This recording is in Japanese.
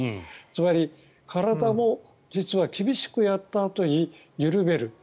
つまり体も実は厳しくやったあとに緩める。